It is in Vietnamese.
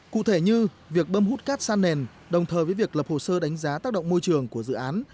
cụ thể như việc bơm hút cát san nền đồng thời với việc lập hồ sơ đánh giá tác động môi trường của dự án